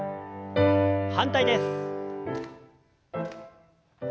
反対です。